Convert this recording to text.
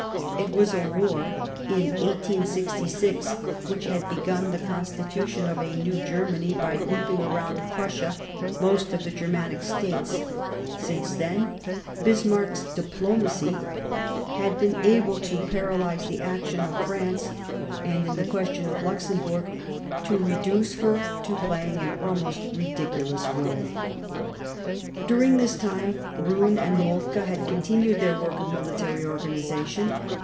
It was a war, in 1866, w'hich had begun the constitution of a new Germany by grouping round Prussia most of the Germanic vStates ; since then, Bismarck's diplomacy had been able to paralyse the action of France, and in the question of Luxem burg to reduce her to playing an almost ridiculous role. During this time, Roon and Moltke had continued their work of military organization.